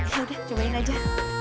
yaudah cobain aja